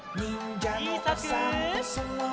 ちいさく。